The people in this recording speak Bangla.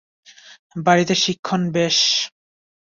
বাড়িতে শিক্ষণ, বেশ।